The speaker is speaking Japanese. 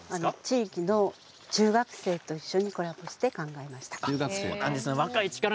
地域の中学生とコラボして一緒に考えました。